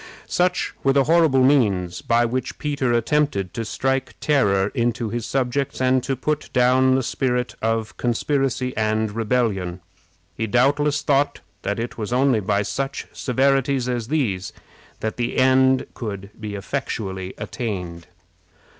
Such were the horrible means by which Peter attempted to strike terror into his subjects, and to put down the spirit of conspiracy and rebellion. He doubtless thought that it was only by such severities as these that the end could be effectually attained.